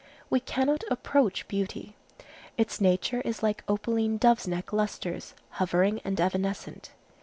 We cannot approach beauty. Its nature is like opaline doves' neck lustres, hovering and evanescent.